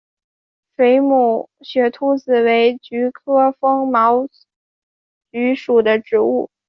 水母雪兔子为菊科风毛菊属的植物。